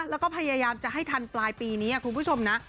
แล้วก็พยายามจะให้ทันปลายปีนี้คุณผู้ชมนะ